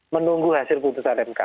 menunggu hasil keputusan mk